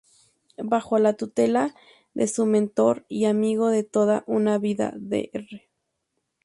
Bajo la tutela de su mentor y amigo de toda una vida, Dr.